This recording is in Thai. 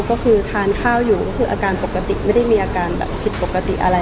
ก็คือทานข้าวอยู่ก็คืออาการปกติไม่ได้มีอาการแบบผิดปกติอะไร